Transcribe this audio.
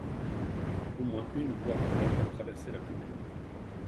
Au moins une voie romaine traversait la commune.